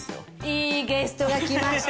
いいゲストが来ました。